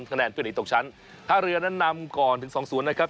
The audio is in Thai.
คะแนนเพื่อหนีตกชั้นท่าเรือนั้นนำก่อนถึงสองศูนย์นะครับ